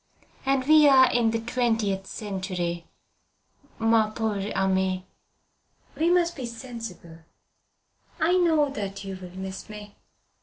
"And we are in the twentieth century, mon pauvre ami. We must be sensible. I know that you will miss me.